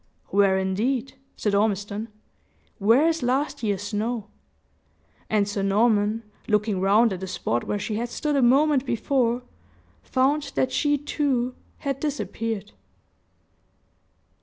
"Where, indeed?" said Ormiston; "where is last year's snow?" And Sir Norman, looking round at the spot where she had stood a moment before, found that she, too, had disappeared.